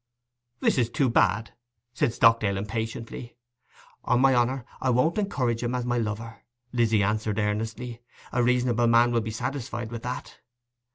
'This is too bad,' said Stockdale impatiently. 'On my honour, I won't encourage him as my lover,' Lizzy answered earnestly. 'A reasonable man will be satisfied with that.